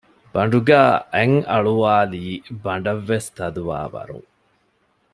ބަނޑުގައި އަތް އަޅުވާލީ ބަނޑަށްވެސް ތަދުވާ ވަރުން